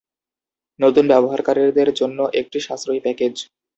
নতুন ব্যবহারকারীদের জন্য একটি সাশ্রয়ী প্যাকেজ।